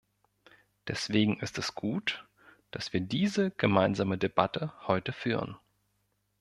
Deswegen ist es gut, dass wir diese gemeinsame Debatte heute führen.